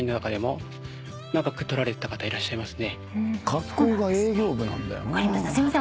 格好が営業部なんだよな。